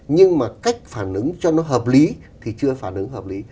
nhưng mà cách phản ứng cho nó hợp lý thì chưa phản ứng hợp lý